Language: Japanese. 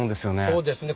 そうですね。